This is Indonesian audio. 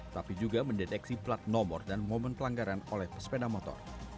tapi juga mendeteksi plat nomor dan momen pelanggaran oleh pesepeda motor